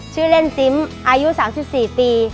ชื่อเล่นซิมอายุ๓๔ปี